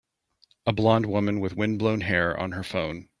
A blond woman with wind blown hair on her phone